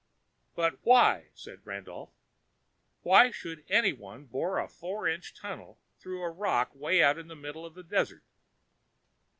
"But why?" said Randolph. "Why should anyone bore a four inch tunnel through a rock way out in the middle of the desert?"